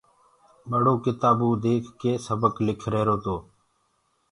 ٻڙو ڪتآبوُ ديک ڪي سورتڪتيٚ لک ريهرو تو